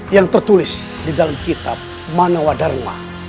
yang tertulis di dalam kitab manawadharma